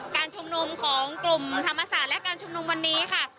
การชุมนุมของกลุ่มธรรมศาสตร์และการชุมนุมวันนี้ค่ะ